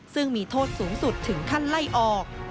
ซึ่งมีโทษสูงสุดถึงขั้นไล่ออก